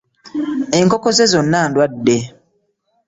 Enkoko ze zonna ndwadde.